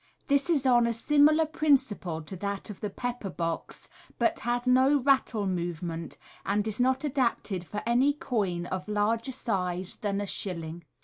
— This is on a similar principle to that of the pepper box, but has no rattle move ment, and is not adapted for any coin of larger size than a shilling.